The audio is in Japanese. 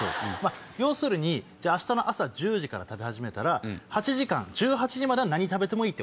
要するに明日の朝１０時から食べ始めたら１８時までは何食べてもいい。